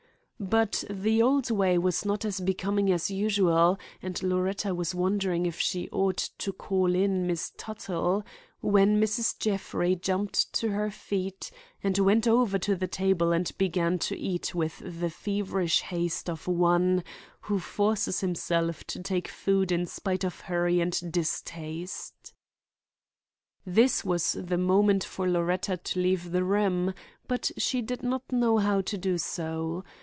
But the old way was not as becoming as usual, and Loretta was wondering if she ought to call in Miss Tuttle, when Mrs. Jeffrey jumped to her feet and went over to the table and began to eat with the feverish haste of one who forces himself to take food in spite of hurry and distaste. This was the moment for Loretta to leave the room; but she did not know how to do so.